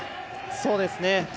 そうですね。